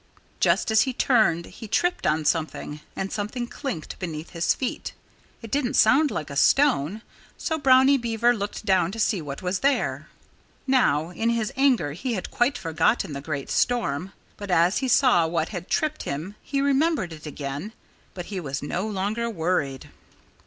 Just as he turned he tripped on something. And something clinked beneath his feet. It didn't sound like a stone. So Brownie Beaver looked down to see what was there. Now, in his anger he had quite forgotten the great storm. But as he saw what had tripped him he remembered it again. But he was no longer worried.